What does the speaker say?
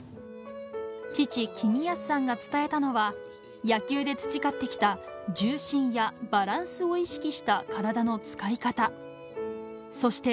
父、公康さんが伝えたのは、野球で培ってきた重心やバランスを意識した体の使い方。